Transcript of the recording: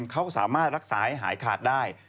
เข้ารักษาให้หายขาดได้